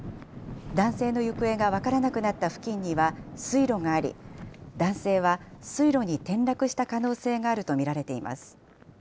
男性の行方が分からなくなった付近には水路があり男性は水路に転落した可能性があると見られています。